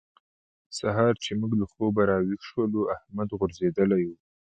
سهار چې موږ له خوبه راويښ شولو؛ احمد غورځېدلی وو.